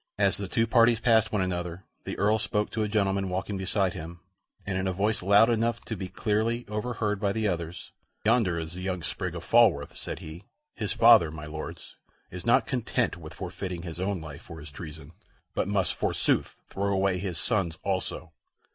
As the two parties passed one another, the Earl spoke to a gentleman walking beside him and in a voice loud enough to be clearly overheard by the others: "Yonder is the young sprig of Falworth," said he. "His father, my Lords, is not content with forfeiting his own life for his treason, but must, forsooth, throw away his son's also.